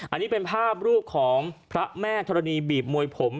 อันนี้เป็นภาพรูปของพระแม่ธรณีบีบมวยผม